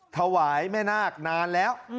ถวายแม่นาคนานแล้ว